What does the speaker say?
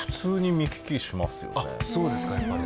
そうですかやっぱり。